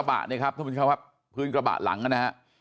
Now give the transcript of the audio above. แล้วก็ยัดลงถังสีฟ้าขนาด๒๐๐ลิตร